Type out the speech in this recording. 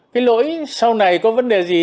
cái lỗi sau này có vấn đề gì